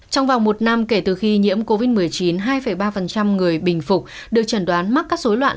trong vòng một năm kể từ khi nhiễm covid một mươi chín hai ba người bình phục được chẩn đoán mắc các dối loạn